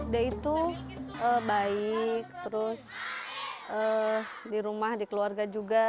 dia itu baik terus di rumah di keluarga juga